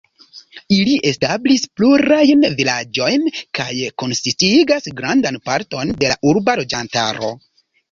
Ili establis plurajn vilaĝojn kaj konsistigis grandan parton de la urba loĝantaro.